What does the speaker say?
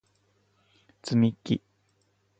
つみき